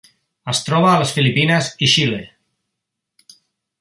Es troba a les Filipines i Xile.